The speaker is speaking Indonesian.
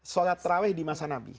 sholat terawih di masa nabi